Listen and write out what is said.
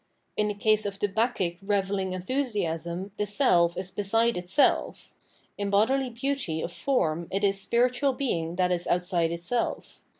In tbe case of the bacchic * revelling enthusiasm the self is beside itself ; in bodily beauty of form it is spiritual Being that is outside itself.